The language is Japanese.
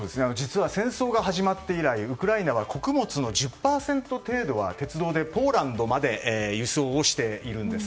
戦争が始まって以来ウクライナは穀物の１０％程度は鉄道でポーランドまで輸送しています。